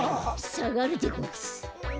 さがるでごんす。